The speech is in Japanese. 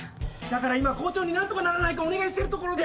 だから今校長に何とかならないかお願いしてるところで。